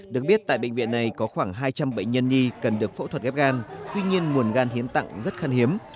được biết tại bệnh viện này có khoảng hai trăm linh bệnh nhân nhi cần được phẫu thuật ghép gan tuy nhiên nguồn gan hiến tặng rất khăn hiếm